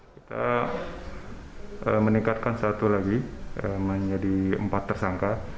kita meningkatkan satu lagi menjadi empat tersangka